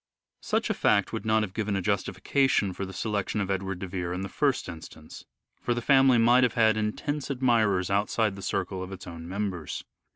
Such a fact would not have given a justification for A significant the selection of Edward de Vere in the first instance ; silence for the family might have had intense admirers outside the circle of its own members.